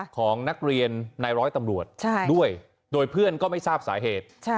ของนักเรียนในร้อยตำรวจด้วยโดยเพื่อนก็ไม่ทราบสาเหตุ